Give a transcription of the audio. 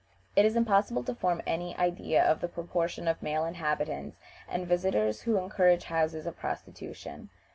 It is impossible to form any idea of the proportion of male inhabitants and visitors who encourage houses of prostitution.